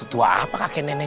udah enggak enggak